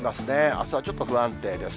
あすはちょっと不安定です。